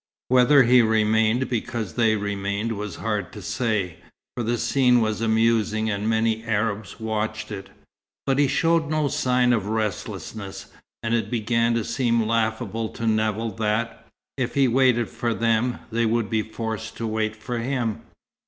Whether he remained because they remained was hard to say, for the scene was amusing and many Arabs watched it; but he showed no sign of restlessness, and it began to seem laughable to Nevill that, if he waited for them, they would be forced to wait for him.